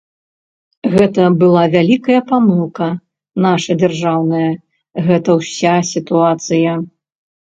Гэта была вялікая памылка наша дзяржаўная, гэта ўся сітуацыя.